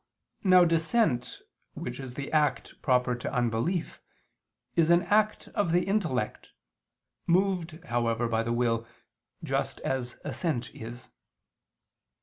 Now dissent, which is the act proper to unbelief, is an act of the intellect, moved, however, by the will, just as assent is.